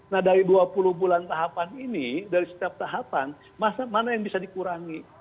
nah dari dua puluh bulan tahapan ini dari setiap tahapan mana yang bisa dikurangi